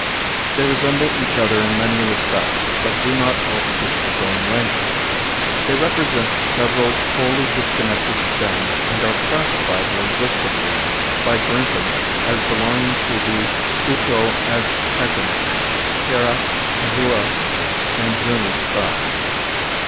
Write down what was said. They resemble each other in many respects, but do not all speak the same language. They represent several wholly disconnected stems and are classified linguistically by Brinton as belonging to the Uto Aztecan, Kera, Tehua and Zuni stocks.